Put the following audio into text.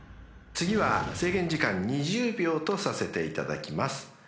［次は制限時間２０秒とさせていただきます］